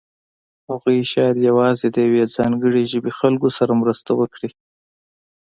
هغوی شاید یوازې د یوې ځانګړې ژبې خلکو سره مرسته وکړي.